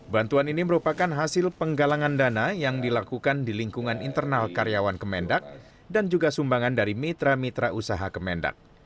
bantuan ini merupakan hasil penggalangan dana yang dilakukan di lingkungan internal karyawan kemendak dan juga sumbangan dari mitra mitra usaha kemendak